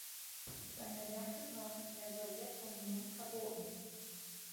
Seine Werke waren in der Sowjetunion verboten.